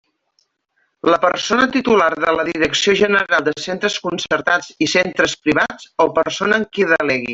La persona titular de la Direcció General de Centres Concertats i Centres Privats o persona en qui delegui.